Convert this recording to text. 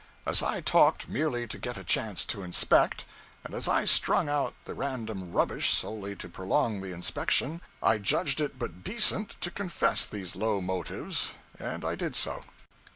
As I talked merely to get a chance to inspect; and as I strung out the random rubbish solely to prolong the inspection, I judged it but decent to confess these low motives, and I did so.